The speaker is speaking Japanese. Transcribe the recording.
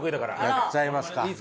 やっちゃいますか。